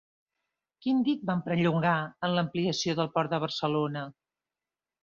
Quin dic van perllongar en l'ampliació del Port de Barcelona?